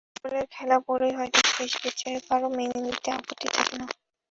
গোলের খেলা বলেই হয়তো শেষ বিচারে কারও মেনে নিতে আপত্তি থাকে না।